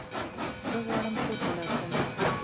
زه غواړم کور ته لاړ شم